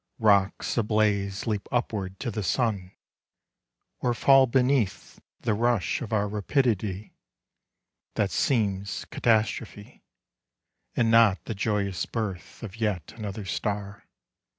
Rocks ablaze Leap upward to the sun, or fall beneath The rush of our rapidity, that seems Catastrophy, and not the joyous birth Of yet another star.